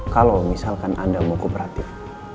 kalau misalkan anda mau kooperatif